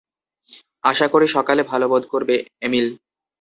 আশা করি সকালে ভালো বোধ করবে, এমিল।